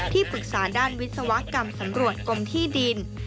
ปรึกษาด้านวิศวกรรมสำรวจกรมที่ดิน